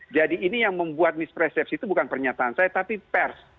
jadi ini yang membuat mispresepsi itu bukan pernyataan saya tapi pers